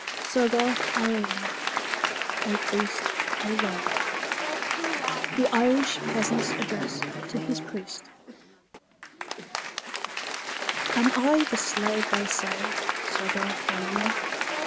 SOGGARTH AROON ("O Priest, O Love!") THE IRISH PEASANT'S ADDRESS TO HIS PRIEST Am I the slave they say, Soggarth Aroon?